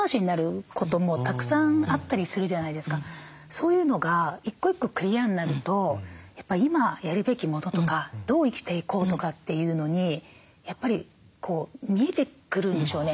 そういうのが１個１個クリアになるとやっぱり今やるべきものとかどう生きていこうとかっていうのにやっぱり見えてくるんでしょうね